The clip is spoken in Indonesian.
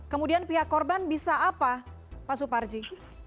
kemudian pihak korban bisa apa pak suparji